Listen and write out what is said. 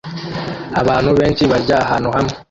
Abantu benshi barya ahantu hamwe